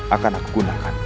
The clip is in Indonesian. akan aku gunakan